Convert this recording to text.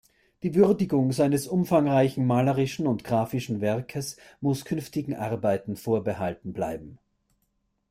Die Würdigung seines umfangreichen malerischen und grafischen Werkes muss künftigen Arbeiten vorbehalten bleiben.